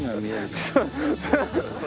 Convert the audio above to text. ちょっと。